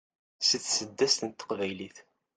s tseddast n teqbaylit